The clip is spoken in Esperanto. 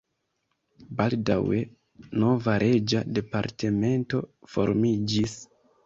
Baldaŭe nova reĝa departemento formiĝis.